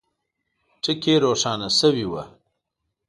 ټکي روښانه سوي وه.